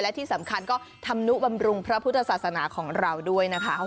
และที่สำคัญก็ธรรมนุบำรุงพระพุทธศาสนาของเราด้วยนะคะ